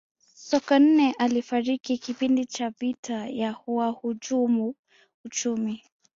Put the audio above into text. sokoine alifariki kipindi cha vita ya wahujumu uchumi